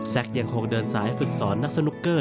ยังคงเดินสายฝึกสอนนักสนุกเกอร์